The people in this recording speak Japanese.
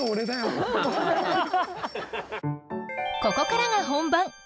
ここからが本番。